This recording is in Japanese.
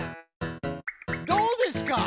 どうですか？